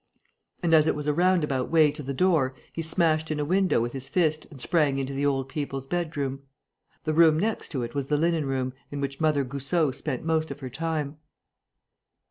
And, as it was a roundabout way to the door, he smashed in a window with his fist and sprang into the old people's bedroom. The room next to it was the linen room, in which Mother Goussot spent most of her time.